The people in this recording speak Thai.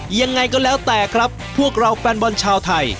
ยังไงก็แล้วแต่ครับพวกเราแฟนบอลชาวไทย